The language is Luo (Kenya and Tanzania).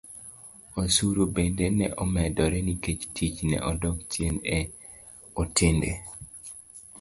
Osuru bende ne omedore nikech tich ne odok chien e otende